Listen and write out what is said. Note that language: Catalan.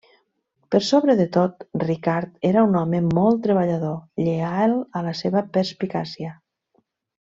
Per sobre de tot, Ricard era un home molt treballador, lleial a la seva perspicàcia.